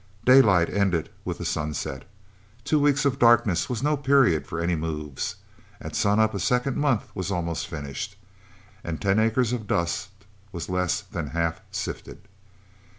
Daylight ended with the sunset. Two weeks of darkness was no period for any moves. At sunup, a second month was almost finished! And ten acres of dust was less than half sifted...